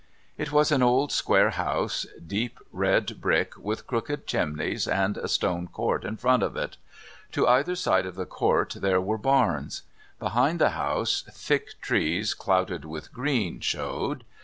It was an old square house, deep red brick, with crooked chimneys, and a stone court in front of it. To either side of the court there were barns. Behind the house thick trees, clouded with green, showed.